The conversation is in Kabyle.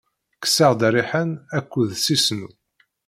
Kkseɣ-d rriḥan akked sisnu.